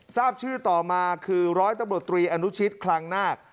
ทราบชื่อต่อมาคือร้อยตำรวจตรีอนุชิตคลังนาค